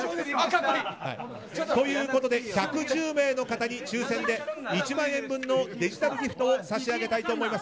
１１０名の方に抽選で１万円分のデジタルギフトを差し上げたいと思います。